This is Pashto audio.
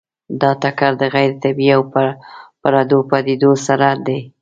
دا ټکر د غیر طبیعي او پردو پدیدو سره دی.